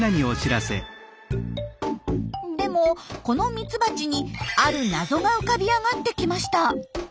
でもこのミツバチにある謎が浮かび上がってきました。